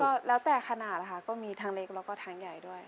ก็แล้วแต่ขนาดนะคะก็มีทั้งเล็กแล้วก็ทั้งใหญ่ด้วย